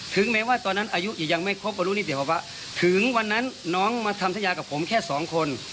ถึงแม้ว่าตอนนั้นอายุอีกยังไม่ครบกว่ารุ่นนี้เดี๋ยวปะถึงวันนั้นน้องมาทำสัญญากับผมแค่สองคน